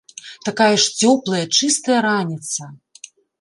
Такая ж цёплая, чыстая раніца!